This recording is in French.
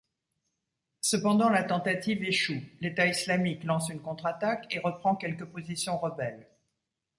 Cependant la tentative échoue, l'État islamique lance une contre-attaque et reprend quelques positions rebelles.